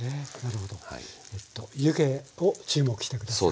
湯気を注目して下さい。